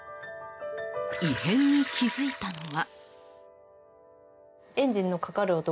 異変に気づいたのは。